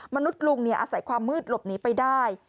มนุษย์ลุงอาศัยความมืดหลบหนีไปได้